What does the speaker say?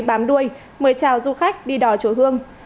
bám đuôi mời chào du khách đi đò chùa hương